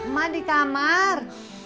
mak di kamar